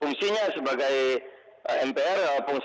fungsinya sebagai mpr